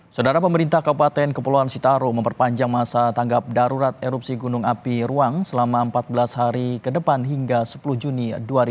saudara pemerintah kabupaten kepulauan sitaru memperpanjang masa tanggap darurat erupsi gunung api ruang selama empat belas hari ke depan hingga sepuluh juni dua ribu dua puluh